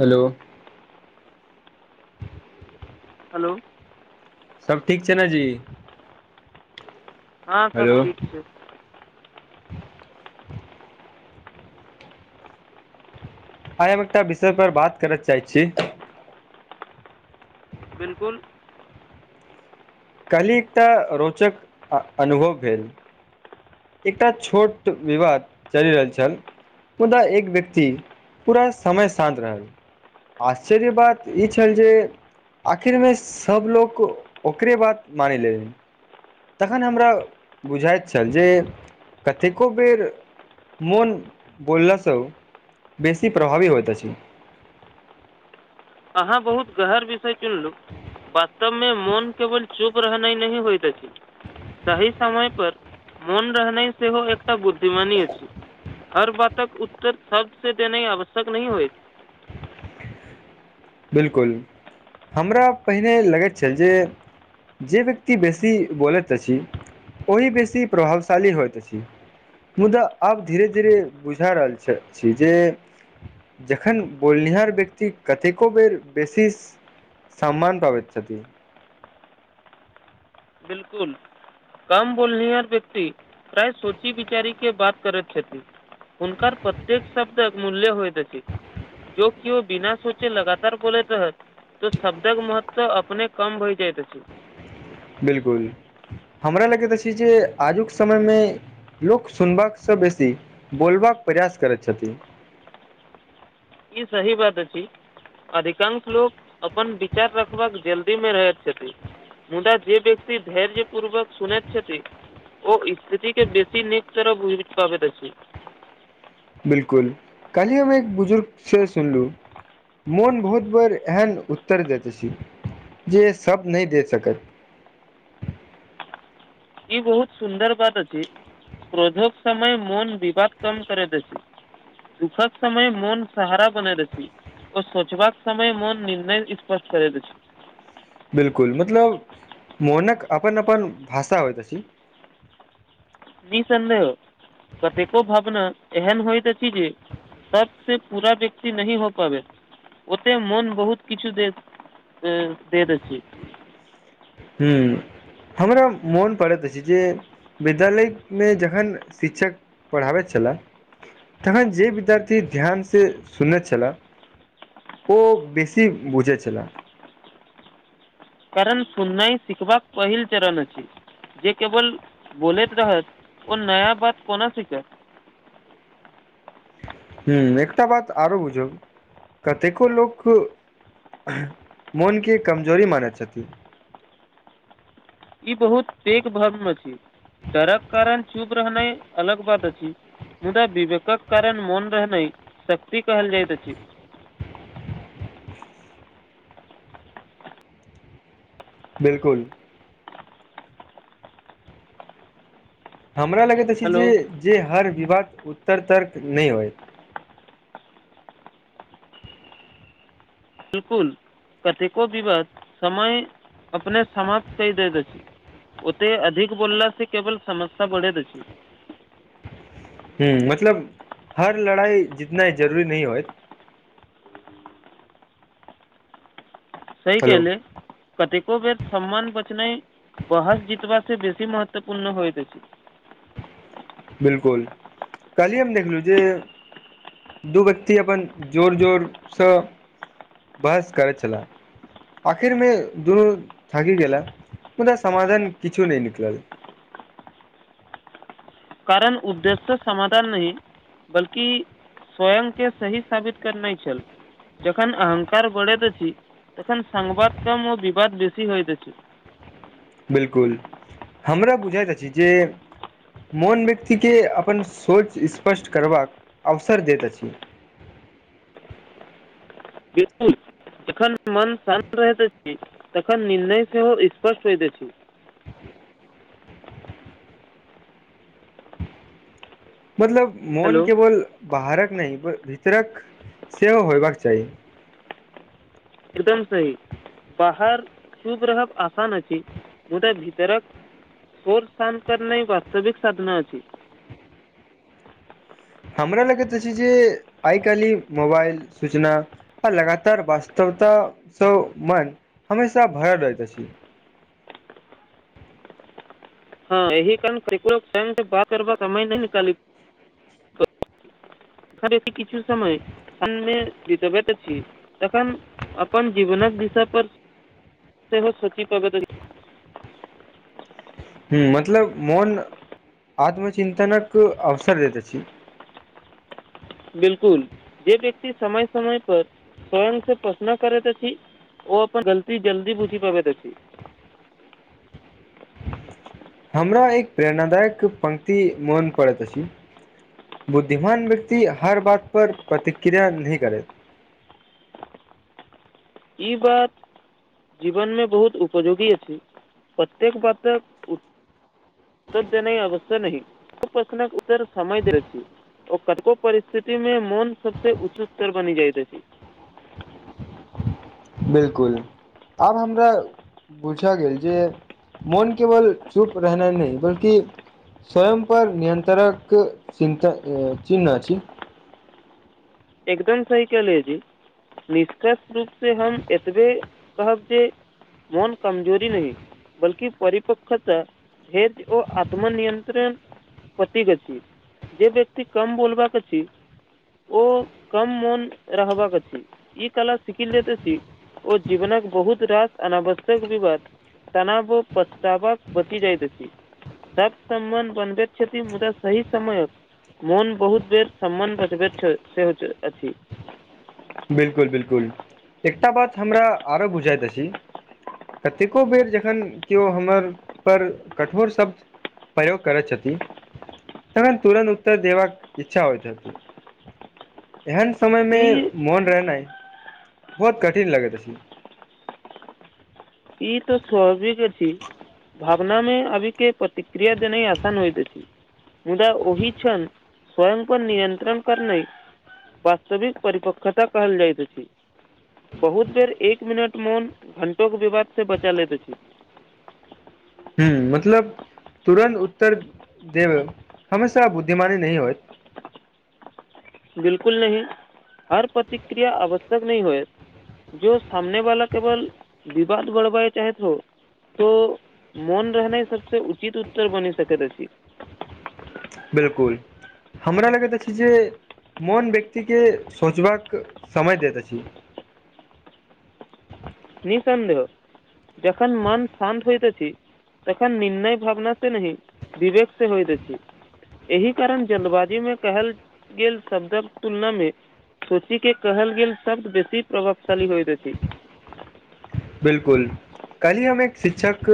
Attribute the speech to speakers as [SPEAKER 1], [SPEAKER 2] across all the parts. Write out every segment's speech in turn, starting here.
[SPEAKER 1] hello
[SPEAKER 2] hello
[SPEAKER 1] सब ठीक छै ने जी
[SPEAKER 2] हँ सब
[SPEAKER 1] हेलो
[SPEAKER 2] ठीक छै
[SPEAKER 1] आइ हम एकटा विषय पर बात करऽ चाहैत छी
[SPEAKER 2] बिल्कुल
[SPEAKER 1] कल्हि एकटा रोचक अनुभव भेल एकटा छोट विवाद चलि रहल छल मुदा एक व्यक्ति पूरा समय शान्त रहल आश्चर्य बात ई छल जे आखिर मे सबलोग ओकरे बात मानि लै रहै तखन हमरा बुझाइत छल जे कतेको बेर मोन बोललासँ बेसी प्रभावी होइत अछि
[SPEAKER 2] अहाँ बहुत गहण विषय चुनलहुँ वास्तव मे मोन केवल चुप रहनाइ नहि होइत अछि सही समय पर मौन रहनाइ सेहो एकटा बुद्धि मानी अछि हर बातक उत्तर शब्द से देनाइ आवश्यक नहि होइत
[SPEAKER 1] बिल्कुल हमरा पहिने लगैत छल जे जे व्यक्ति बेसी बोलैत अछि ओहि बेसी प्रभावशाली होइत अछि मुदा आब धीरे धीरे बुझा रहल छल छै जे जखन बोलनिहार व्यक्ति कतेक को बेर बेसी सम्मान पाबैत छथि
[SPEAKER 2] बिल्कुल कम बोलनिहार व्यक्ति प्रायः सोची विचारी के बात करैत छथि हुनकर प्रत्येक शब्दक मूल्य होयत अछि जो किओ बिना सोचे लगातार बोलैत रहत तऽ शब्दक महत्व अपने कम भय जायत अछि
[SPEAKER 1] बिल्कुल हमरा लागैत अछि जे आजुक समयमे लोक सुनबाकसँ बेसी बोलबाक प्रयास करैत छथि
[SPEAKER 2] ई सही बात अछि अधिकांश लोक अपन विचार रखबाक जल्दीमे रहैत छथि मुदा जे व्यक्ति धैर्य पूर्वक सुुनैत छथि ओ स्थिति के बेसी नीक तरह बुझैत पाबैत छथि
[SPEAKER 1] बिलकुल कल्हि हम एक बुजुर्ग से सुनलू मोन बहुत बेर एहन उत्तर देैत अछि जे सब नहि दे सकत
[SPEAKER 2] ई बहुत सुन्दर बात अछि क्रोधक समय मोन विवाद कम करैत अछि दुःखद समय मोन सहारा बनैत अछि ओ सोचबाक समय मोन निर्णय स्पष्ट करैत अछि
[SPEAKER 1] बिलकुल मतलब मोनक अपन अपन भाषा होइत अछि
[SPEAKER 2] निःसन्देह कतेको भावना एहन होइत अछि जे शब्द से पूरा व्यक्ति नहि हो पाबै ओते मोन बहुत किछु दे से दैत अछि
[SPEAKER 1] ह्म हमरा मोन पड़ैत अछि जे विद्यालयमे जखन शिक्षक पढ़ाबैत छला तखन जे विद्यार्थी ध्यानसँ सुनैत छला ओ बेसी बुझैत छला
[SPEAKER 2] कारण सुननाई शिखबाक पहिल चरण अछि जे केवल बोलैत रहत ओ नया बात कोना सिखत
[SPEAKER 1] हूँ एकटा बात आरो बुझब कतेको लोक मोन के कमजोरी मानैत छथि
[SPEAKER 2] ई बहुत पेघ भरम अछि डरक कारण चुप रहनाइ अलग बात अछि मुदा बिवेकक कारण मोन रहनाइ शक्ति कहल जाइत अछि
[SPEAKER 1] बिलकुल हमरा लगैत अछि जे
[SPEAKER 2] हेलो
[SPEAKER 1] जे हर विवाद उत्तर तर्क नहि अइ
[SPEAKER 2] बिलकुल कतेको विवाद समय अपने समाप्त कहि द द छी ओते अधिक बोलला से केवल समस्या बढ़ैत अछि
[SPEAKER 1] हूँ मतलब हर लड़ाइ जितना इ जरूरी नहि होय
[SPEAKER 2] सही
[SPEAKER 1] हेलो
[SPEAKER 2] केहले कतेको बेर सम्मान बचनाइ बहस जितबा से बेसी महत्वपूर्ण होइत अछि
[SPEAKER 1] बिलकुल कलहि हम देखलु जे दू व्यक्ति अपन जोर जोरसँ बहस करैत छलाह आखिरमे दुनू थकि गेला मुदा समाधान किछु नहि निकलल
[SPEAKER 2] कारण उद्देश्य समाधान नहि बल्कि स्वयं के सही साबित करनाइ छल जहन अहंकार बढ़ैत अछि तहन संवाद कम ओ विवाद बेसी होइत अछि
[SPEAKER 1] बिलकुल हमरा बुझैत अछि जे मोन व्यक्तिके अपन सोच स्पष्ट करबाक अवसर दैत अछि
[SPEAKER 2] बिलकुल जखन मन शान्त रहैत अछि तखन निर्णय सेहो स्पर्श होइत अछि
[SPEAKER 1] [inaudible] मतलब मोन
[SPEAKER 2] हेलो
[SPEAKER 1] केवल बाहरक नहि भीतरक सेहो होयबाक चाही
[SPEAKER 2] एकदम सही बाहर शुभ रहब आसान अछि मुदा भीतरक मोन शांत करनाइ वास्तविक साधना अछि
[SPEAKER 1] हमरा लगैत तऽ अछि जे आइ काल्हि मोबाइल सूचना आ लगातार वास्तवता स मन हमेशा भरल रहैत अछि
[SPEAKER 2] हँ एहि कारण क स त बात करब समाइ नहि निकाल किछु समय स जीतबैत छी तखन अपन जीवनक दिशा पर सेहो हो सोची प्रगती
[SPEAKER 1] ह्म मतलब मौन आत्मचिन्तनक अवसर देैत अछि
[SPEAKER 2] बिल्कुल जे व्यक्ति समय समय पर स्वयं से पसना करैत अछि ओ अपन गलती जल्द बूझी पाबैत अछि
[SPEAKER 1] हमरा एक प्रेरणादायक पंक्ति मोन पड़ैत अछि बुद्धिमान व्यक्ति हर बात पर प्रतिक्रिया नही करैत
[SPEAKER 2] ई बात जीवनमे बहुत उपजोगी अछि प्रतेक बातक तर देनाइ अवश्य नहि प्रश्नक उत्तर समय दै छी ओ कतको परिस्थिति में मौन सबस उच्च स्तर बनि जाइत अछि
[SPEAKER 1] बिल्कुल आब हमरा बुझा गेल जे मोन केवल चुप रहनाइ नहि बल्कि स्वयं पर नियन्त्रक चिन्ता इ चिन्ह अछि
[SPEAKER 2] एकदम सही केहले जी निषकर्ष रूप से हम एतबे कहब जे मोन कमजोरी नहि बल्कि परिपक्खत भेद ओ आत्मनियत्रण प्रतिक अछि जे व्यक्ति कम बोलबाक अछि ओ कम मोन रहबाक अछि ई कला सिखी लेत अछि ओ जीवनक बहुत रास अनावश्यक विवाद तनाबो पचतावा बची जाइत अछि सक समबन्ध बनबेति छथि मुदा सही समय मोन बहुत बेर सम्मान प्रतब से
[SPEAKER 1] बिल्कुल बिल्कुल एकटा बात हमरा आरो बुझाइत अछि कतेको बेर जखन केओ हमर पर कठोर शब्द प्रयोग करैतै छथि तखन तुरन्त उत्तर देबाक इच्छा होइतती एहन समय मे
[SPEAKER 2] ई
[SPEAKER 1] मोन रहनाय बहुत कठिन लगेत अछि
[SPEAKER 2] ई तो स्वााविक अछि भावना मे आबी के प्रति क्रियाा देने ही आसान होइत अछि मुदा ओहि क्षण स्वयं परर नियन्त्रण करनै वास्तविक परिपकता कहल जाइत बहुत बेर एक मिनट मोन घंटोे के विवाद से बचा लेैत अछि
[SPEAKER 1] ह मतलब तुरन्त उत्तर देब हमेशा बुद्धिमानी नहि होयइत
[SPEAKER 2] बिल्कुल नहि हर प्रतिक्रिया आवश्यक तक नहि होयएत जो सामने वाला केवल विवाद बढ़बए चाहेत हो तो मोन रहनाइ सबसे उचित उत्तर बनी सकैत अछि
[SPEAKER 1] बिल्कुल हमरा लगैत अछि जे मोन व्यक्तिके सोचबाक समय दैत अछि
[SPEAKER 2] निसन्देह जन मन शान्त होइत अछि तखन निर्णय भावना से नहि विवेक से होइत छथि एहि कारण जल्दवाजी में कहल गेल शब्दक तुलना मे सोचीके कहल गेल शब्द बेसी प्रभावशाली होइत अछि
[SPEAKER 1] बिल्कुल कल्हि हम एक शिक्षक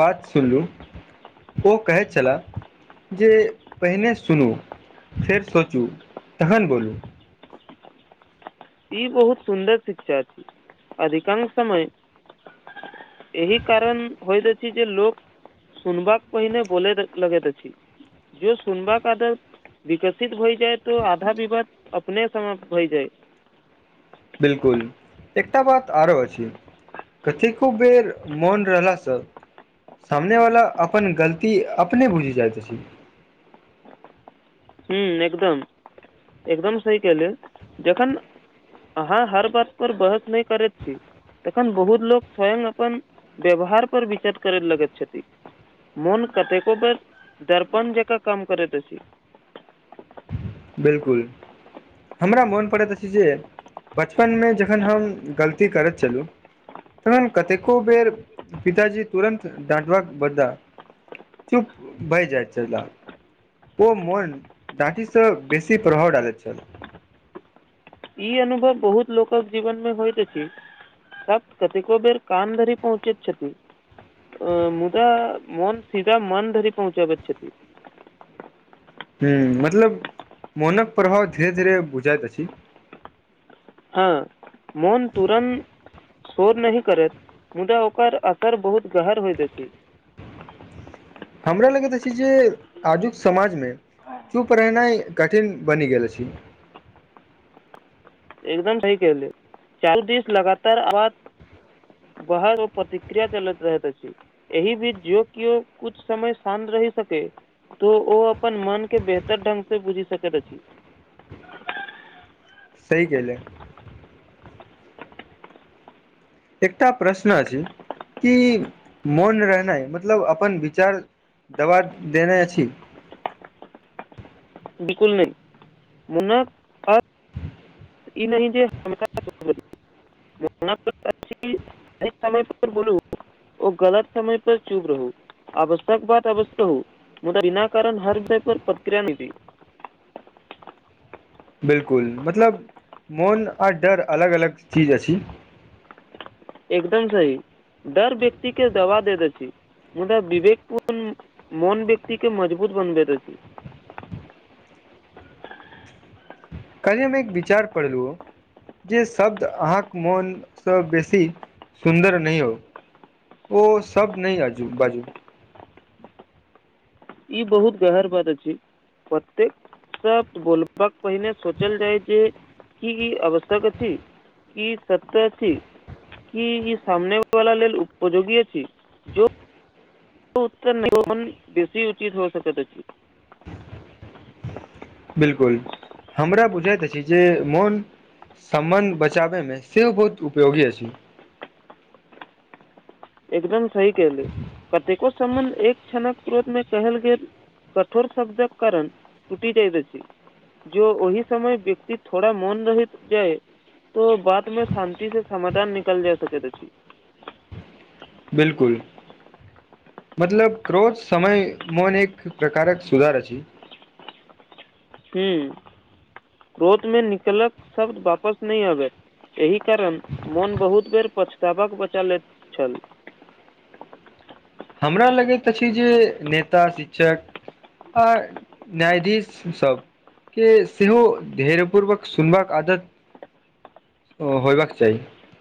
[SPEAKER 1] बात सुनलहु ओ कहैत छलाह जे पहिने सुनू फेर सोचू तखन बोलू
[SPEAKER 2] ई बहुत सुन्दर शिक्षा छी अधिकांश समय एहि कारण होइत छथि जे लोक सुनबाक पहिने बोल लगैत अछि जे सुनबाक आदत विकसित होइ जाय तो आधा विवाद अपने समाप्त होइ जाय [unintelligible]
[SPEAKER 1] बिल्कुल एकटा बात आरो अछि कथी खुब बेर मोन रहला सँ सब सामने वाला अपन गलती अपने बुझि जाइत अछि
[SPEAKER 2] ह्म एकदम एकदम सहि कहेल जखन अहाँ हर बात पर बहस नहि करैत छी तखन बहुत लोको स्वयं अपन व्यवहार पर विचार करय लगैत छथि मोन कतेको बेर दर्पण जका काम करैत छी
[SPEAKER 1] बिलकुल हमरा मोन पड़ैत अछि जे बचपनमे जखन हम गलती करैत छलुं तऽ कतेको बेर पिताजी तुरन्त दडाँटबाक बदला चुप भइ जाइत छलाह ओ मन डांटी से बेसी प्रभाव डालैत छल
[SPEAKER 2] ई अनुभव बहुत लोकक जीवन में होइत छै स कतेको बेर काम धरी पहुँचे छथि अ मुदा मौन सीधा मन धरि पहुँचाब प
[SPEAKER 1] ह मतलब मोनक प्रभाव धीरे धीरे बुझइत अछि अछि
[SPEAKER 2] हँ मोन तुरण शोर न करैत मुदा ओकर असर बहुत गहर होइत अछि
[SPEAKER 1] हमरा लगैत अछि अछि जे आजुक समाजमे चुप रहनाइ कठिन बनि गेल छै
[SPEAKER 2] एकदम सहि कहली चारू दिस लगातार आज बर ओ प्रतिक्रिया चलैत रहैत छै एहि बीच जो कि कुछ समय शान्त रहि सके तो ओ अपन मन के बेहतर ढंग से बुझि सकैत अछि
[SPEAKER 1] सही कहले एकटा प्रश्न छै कि मौन रहनाइ मतलब अपन विचार दबा देने अछि
[SPEAKER 2] बिकुल नहि मुनक ई नहि जे [unintelligible] एहि समय पर बोलू ओ गलत समय पर चुप रहू अवश्यकक बाद अवश हो मुदा बिना कारण हर विषय पर प्रतक्रिया नहि दी
[SPEAKER 1] बिलकुल मतलब मोन आर डर अलग अलग चीज अछि
[SPEAKER 2] एकदम सही दर व्यक्ति के दवा दऽ दैत छी मुदा विवेक पूर्ण मन व्यक्ति के मजबूत बनबैत अछि
[SPEAKER 1] काल्हि हम एक विचार पढ़लहुँ जे शब्द अहाँके मोनसँ बेसी सुन्दर नहि हो ओ सब न आजू बाजू
[SPEAKER 2] ई बहुत गहर बात अछि प्रतेक सब बोलबाक पहिने सोचल जाय जे की ई आवश्यक अछि की सत्य अछि की ई सामने वाला लेल उपयोगी अछि जँ उत्तर नहि बेसी उचित हो सकत अछि
[SPEAKER 1] बिलकुल हमरा बुझैत अछि जे मोन सम्बन्ध बचाबैमे सेहो बहुत उपयोगी अछि
[SPEAKER 2] एकदम सही कले कतेको सम्बन्ध एक क्षणक क्रोत मे कहल गेल कठोर शब्दक कारण तूटी जाइ अछि जो ओहि समय व्यक्ति थोड़ा मन रहि जाए तऽ बात में शान्ति से समाधान निकल जा सकेत अछि
[SPEAKER 1] बिलकुल मतलब क्रोज समय मन एक प्रकारक सुधार अछि
[SPEAKER 2] ह क्रोध मे निकलत शब्द वापस नहि आबै एहि कारण मोन बहुत बेर पछतावक बचा लैत छल
[SPEAKER 1] हमरा लगैत अछि जे नेता शिक्षक आ न्यायधीश सब के सेहो धैर्य पूर्वक सुनबाक आदत ओ होयबाक चाही